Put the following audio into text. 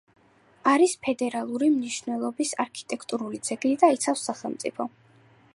არის ფედერალური მნიშვნელობის არქიტექტურული ძეგლი და იცავს სახელმწიფო.